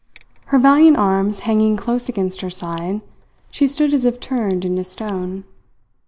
Her valiant arms hanging close against her side, she stood as if turned into stone.